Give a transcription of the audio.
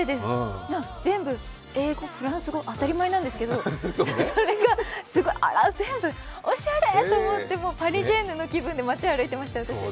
全部、英語、フランス語当たり前なんですけど、それがあら、全部おしゃれと思ってパリジェンヌの気分で街を歩いていました、私。